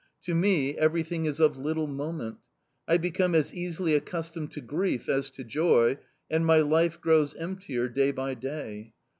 To me everything is of little moment. I become as easily accustomed to grief as to joy, and my life grows emptier day by day.